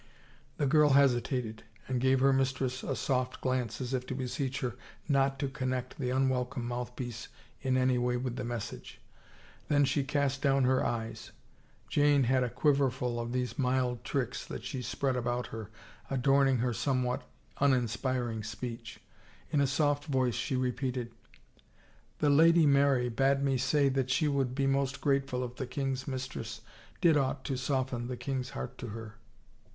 The girl hesitated, and gave her mistress a soft glance as if to beseech her not to connect the unwelcome mouth piece in any way with the message. Then she cast down her eyes. Jane had a quiverful of these mild tricks that she spread about her, adorning her somewhat uninspir ing speech. In a soft voice she repeated :" The Lady Mary bade me say that she would be most grateful if the king's mistress did aught to soften the king's heart to her."